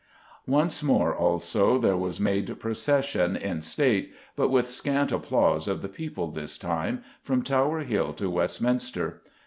Once more, also, there was made procession, in state, but with scant applause of the people this time, from Tower Hill to Westminster.